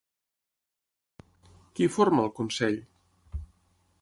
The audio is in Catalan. Qui forma el Consell?